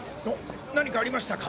何かありましたか？